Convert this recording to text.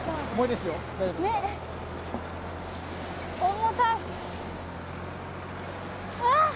重たい。